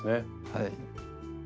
はい。